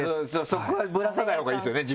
そこはぶらさないほうがいいですよね